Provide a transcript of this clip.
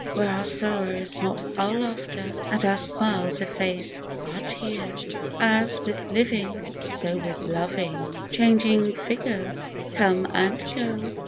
Where our sorrows mock our laughter, and our smiles efface our tears. As with livings so with loving^ changing figures come and go.